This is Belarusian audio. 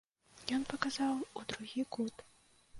Ён паказаў у другі кут.